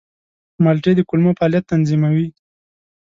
مالټې د کولمو فعالیت تنظیموي.